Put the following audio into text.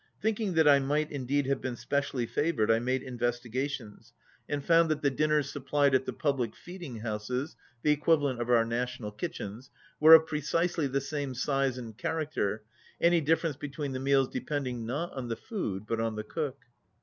Thinking that I might indeed have been specially favoured I made investigations, and found that 40 the dinners supplied at the public feeding houses (the equivalent of our national kitchens) were of precisely the same size and character, any differ ence between the meals depending not on the food but on the cook.